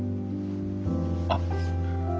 あっ。